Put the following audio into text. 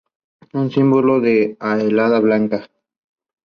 The leaks had wide repercussions.